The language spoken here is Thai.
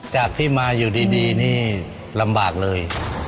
จากที่มาอยู่ดีนี่ลำบากเลย